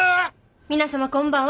皆様こんばんは。